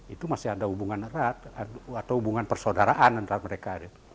itu masih ada hubungan erat atau hubungan persaudaraan antara mereka